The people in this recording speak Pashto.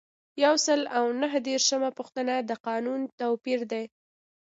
یو سل او نهه دیرشمه پوښتنه د قانون توپیر دی.